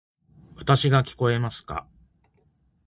わたし（の声）が聞こえますか？